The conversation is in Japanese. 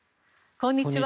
こんにちは。